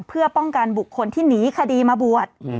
เพื่อป้องกันบุคคลที่หนีคดีมาบวช